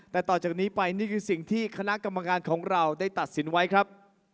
แต่ต่อจากนี้ไปนี่คือสิ่งที่คณะกรรมการของเราได้ตัดสินไว้ครับ